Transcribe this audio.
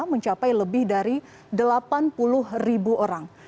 mencapai lebih dari delapan puluh ribu orang